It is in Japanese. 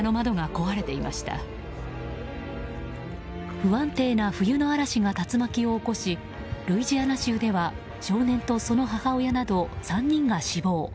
不安定な冬の嵐が竜巻を起こしルイジアナ州では少年とその母親など３人が死亡。